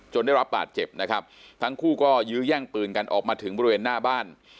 ได้รับบาดเจ็บนะครับทั้งคู่ก็ยื้อแย่งปืนกันออกมาถึงบริเวณหน้าบ้าน